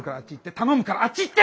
頼むあっち行って！